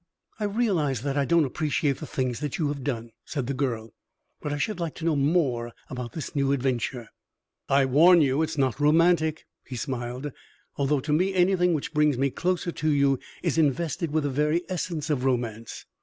"I realize that I don't appreciate the things that you have done," said the girl, "but I should like to know more about this new adventure." "I warn you, it is not romantic," he smiled, "although to me anything which brings me closer to you is invested with the very essence of romance."